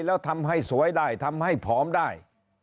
แล้วทำให้สวยได้ทำให้ผอมได้